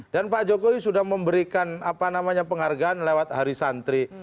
dan pak jokowi sudah memberikan apa namanya penghargaan lewat hari santri